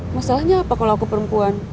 masalahnya apa kalau aku perempuan